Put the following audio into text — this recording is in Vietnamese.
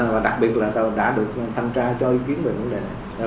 và đặc biệt là đã được tham tra cho ý kiến về vấn đề này